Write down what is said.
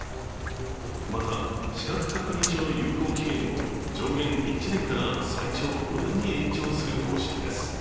また、資格確認書の有効期限を上限１年から、最長５年に延長する方針です。